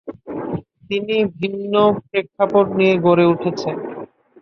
এটি ভিন্ন প্রেক্ষাপট নিয়ে গড়ে উঠেছে।